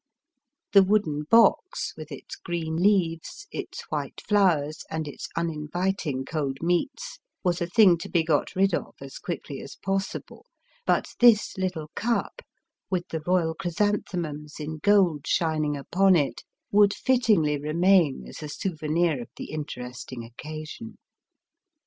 The wooden box, with its green leaves, its white flowers, and its uninviting cold meats, was a thing to be got rid of as quickly as possible ; but this little cup, with the Royal chrysanthemums in gold shining upon it, w^ould fittingly remain as a souvenir of the interesting occasion.